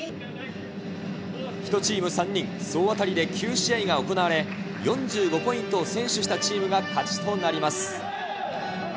１チーム３人、総当たりで９試合が行われ、４５ポイントを先取したチームが勝ちとなります。